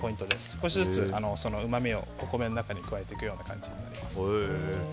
少しずつうまみをお米の中に加えていくような感じになります。